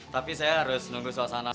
tapi saya harus nunggu suasana